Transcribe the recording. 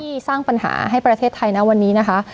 สร้างปัญหาให้ประเทศไทยนะวันนี้นะคะ